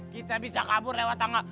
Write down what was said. kita bisa kabur lewat tangga